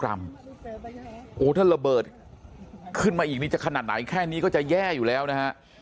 รัมโอ้ถ้าระเบิดขึ้นมาอีกนี่จะขนาดไหนแค่นี้ก็จะแย่อยู่แล้วนะฮะ